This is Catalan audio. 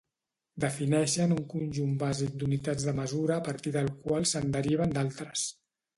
Defineixen un conjunt bàsic d'unitats de mesura a partir del qual se'n deriven d'altres.